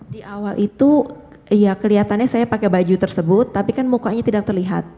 di awal itu ya kelihatannya saya pakai baju tersebut tapi kan mukanya tidak terlihat